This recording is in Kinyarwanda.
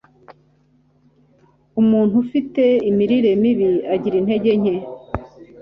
umuntu ufite imirire mibi agira intege nke